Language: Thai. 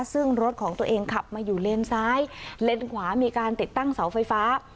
ซึ่งรถของตัวเองขับมาอยู่เลนซ้ายเลนขวามีการติดตั้งเสาไฟฟ้า